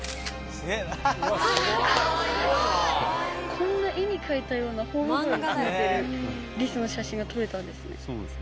こんな絵に描いたような頬袋に詰めてるリスの写真が撮れたんですね。